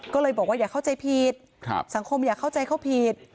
ก็เลยบอกว่าอย่าเข้าใจผิดสังคมอย่าเข้าใจเขาผิด